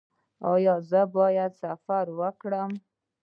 ایا زه باید سفر وکړم؟